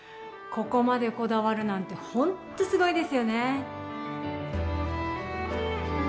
ここまでこだわるなんてほんとすごいですよね。